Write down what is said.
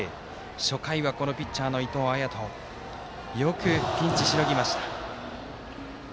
初回はピッチャーの伊藤彩斗よくピンチをしのぎました。